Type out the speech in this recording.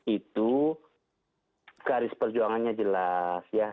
itu garis perjuangannya jelas ya